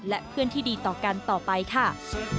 และเพื่อนที่ดีต่อกันต่อไปค่ะ